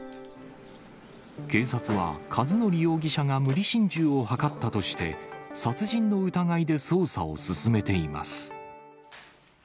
警察は、一則容疑者が無理心中を図ったとして、殺人の疑いで捜査を進めています。